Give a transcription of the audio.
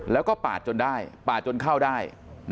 แล้วก็ปาดจนได้